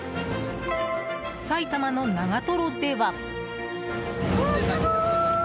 埼玉の長瀞では。